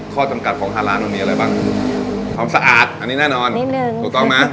ข้อจำกัดของทางร้านมันมีอะไรบ้างความสะอาดอันนี้แน่นอนนิดนึงถูกต้องไหม